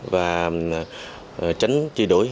và tránh chi đuổi